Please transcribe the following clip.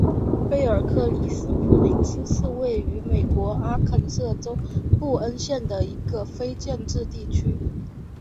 贝尔克里克斯普林斯是位于美国阿肯色州布恩县的一个非建制地区。